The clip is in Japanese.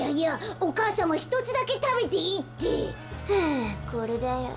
あこれだよ。